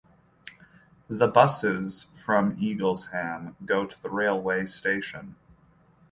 The buses from Eaglesham go to the railway station.